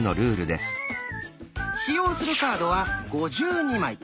使用するカードは５２枚。